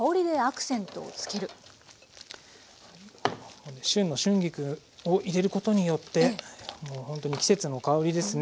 ここで旬の春菊を入れることによってもうほんとに季節の香りですね。